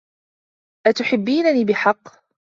أتحبينني بحق ؟